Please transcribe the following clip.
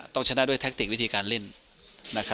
ต้องชนะด้วยแท็กติกวิธีการเล่น